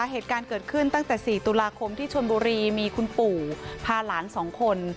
เหตุการณ์เกิดขึ้นตั้งแต่๔ตุลาคมที่ชนบุรีมีคุณปู่พาหลาน๒คน